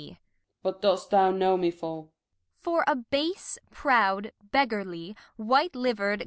Gent. What dost thou know me for ? Kent. For a base, proud, beggarly, white liver'd.